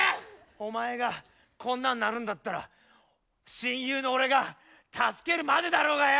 お前がこんなんなるんだったら親友の俺が助けるまでだろうがよ！